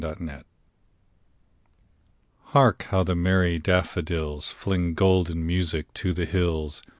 Spring HARK how the merry daffodils, Fling golden music to the hills!